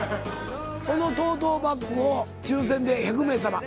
このトートバッグを抽選で１００名様。